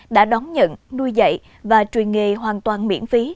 đã đón nhận nuôi dạy và truyền nghề hoàn toàn miễn phí